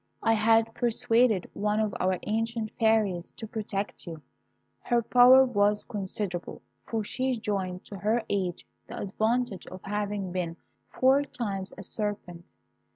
I had persuaded one of our ancient fairies to protect you. Her power was considerable, for she joined to her age the advantage of having been four times a serpent.